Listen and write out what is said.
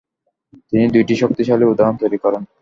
তিনি দুইটি শক্তিশালী উদাহরণ তৈরি করেন।